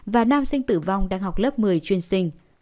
và nam sinh tử vong đang học lớp một mươi chuyên sinh